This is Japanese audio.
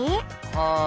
はい。